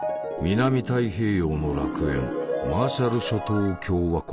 南太平洋の楽園マーシャル諸島共和国。